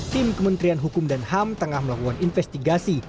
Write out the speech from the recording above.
tim kementerian hukum dan ham tengah melakukan investigasi